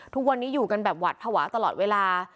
ทุกวันนี้อยู่กันแบบหวัดภาวะตลอดเวลา